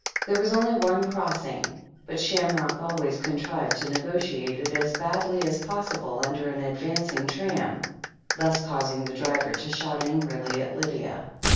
There was only one crossing, but Shamrock always contrived to negotiate it as badly as possible under an advancing tram, thus causing the driver to shout angrily at Lydia.